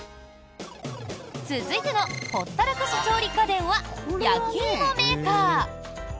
続いてのほったらかし調理家電は焼き芋メーカー。